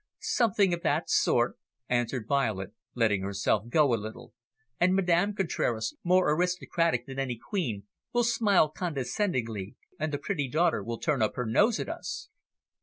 "Something of that sort," answered Violet, letting herself go a little. "And Madame Contraras, more aristocratic than any queen, will smile condescendingly, and the pretty daughter will turn up her nose at us."